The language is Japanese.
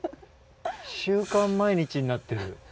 「週刊毎日」になってる。